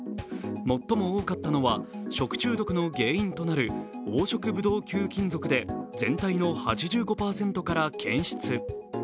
最も多かったのは食中毒の原因となる黄色ブドウ球菌属で、全体の８５％から検出。